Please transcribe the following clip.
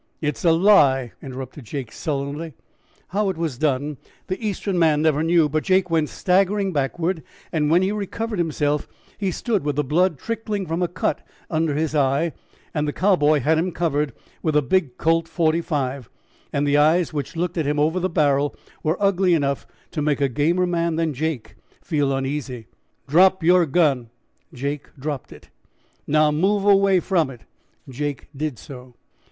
"It's a lie!" interrupted Jake sullenly. How it was done the Eastern man never knew, but Jake went staggering backward, and when he recovered himself and stood with the blood trickling from a cut under his eye, the Cowboy had him covered with a big Colt's 45, and the eyes which looked at him over the barrel were ugly enough to make a gamer man than Jake feel uneasy. "Drop yer gun." Jake dropped it. "Now move away from it." Jake did so.